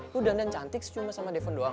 lo dandan cantik secuma sama depon doang